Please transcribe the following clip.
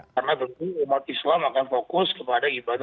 karena tentu umat islam akan fokus kepada ibadah